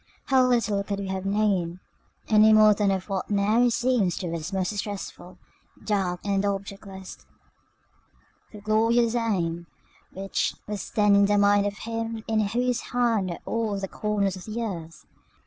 How little could we have known, any more than of what now seems to us most distressful, dark, and objectless, the glorious aim which was then in the mind of Him in whose hand are all the corners of the earth!